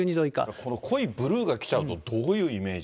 この濃いブルーが来ちゃうとどういうイメージ？